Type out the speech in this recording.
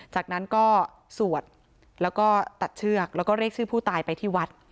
จากนั้นก็สวดแล้วก็ตัดเชือกแล้วก็เรียกชื่อผู้ตายไปที่วัด